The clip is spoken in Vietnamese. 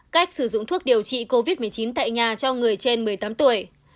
cách sử dụng thuốc điều trị covid một mươi chín tại nhà cho người trên một mươi tám tuổi